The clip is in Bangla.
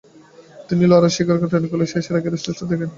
কিন্তু লারা স্বীকার করলেন, টেন্ডুলকারের শেষের আগের টেস্টটা দেখা হয়নি তাঁর।